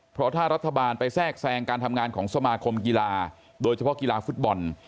เพราะถ้ารัฐบาลไปแทรกแทรงการทำงานของสมาคมกีฬาโดยเฉพาะกีฬาฟุตบอล